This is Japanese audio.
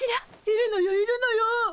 いるのよいるのよ。